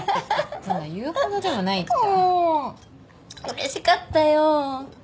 うれしかったよ。